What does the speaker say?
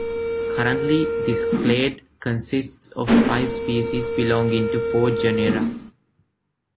Currently, this clade consists of five species belonging to four genera.